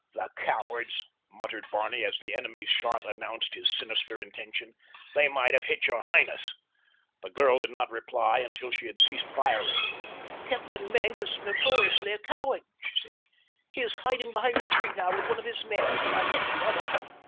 "The cowards!" muttered Barney as the enemy's shot announced his sinister intention; "they might have hit your highness." The girl did not reply until she had ceased firing. "Captain Maenck is notoriously a coward," she said. "He is hiding behind a tree now with one of his men—I hit the other."